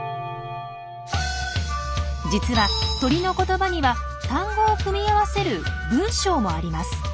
実は鳥の言葉には単語を組み合わせる文章もあります。